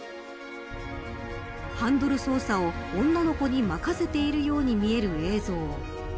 ハンドル操作を女の子に任せているように見える映像。